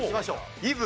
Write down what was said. イブ。